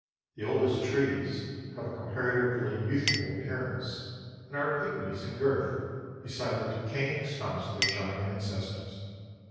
The oldest trees have a comparatively youthful appearance, and are pygmies in girth beside the decaying stumps of their giant ancestors.